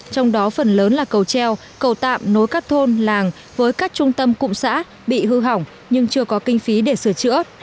trong đó phần lớn là cầu treo cầu tạm nối các thôn làng với các trung tâm cụm xã bị hư hỏng nhưng chưa có kinh phí để sửa chữa